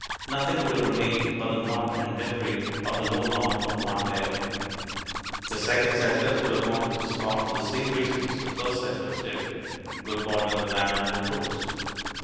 Nothing would have remained but the mud and debris of a low mound of one layer. The second settlers would have wanted the spot for the same reasons the first settlers did good water, land, and roads.